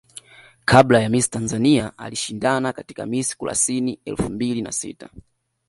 Kabla ya Miss Tanzania alishindana katika Miss Kurasini elfu mbili na sita